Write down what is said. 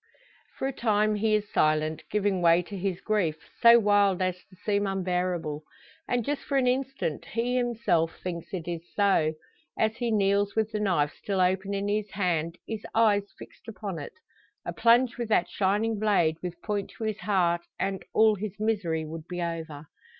For a time he is silent, giving way to his grief so wild as to seem unbearable. And just for an instant he himself thinks it so, as he kneels with the knife still open in his hand, his eyes fixed upon it. A plunge with that shining blade with point to his heart, and all his misery would be over!